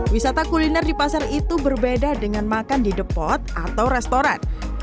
wisata kuliner di pasar itu berbeda dengan makan di depot atau restoran